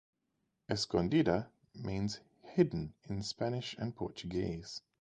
"Escondida" means "hidden" in Spanish and Portuguese.